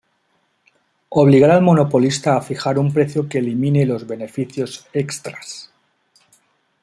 Obligar al monopolista a fijar un precio que elimine los beneficios extras.